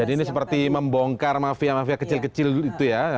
jadi ini seperti membongkar mafia mafia kecil kecil itu ya